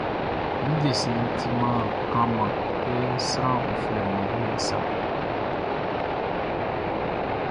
Mi desɛnʼn timan klanman kɛ sran uflɛʼm be liɛʼn sa.